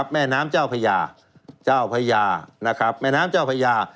แม่น้ำเจ้าพญา